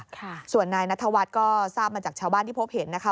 ค่ะส่วนนายนัทวัฒน์ก็ทราบมาจากชาวบ้านที่พบเห็นนะคะ